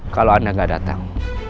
kalau anda gak datang